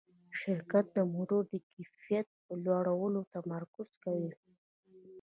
شرکت د موټرو د کیفیت په لوړولو تمرکز کوي.